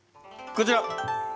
こちら。